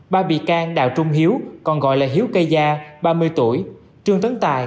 ba bị can đào trung hiếu còn gọi là hiếu cây gia ba mươi tuổi trương tấn tài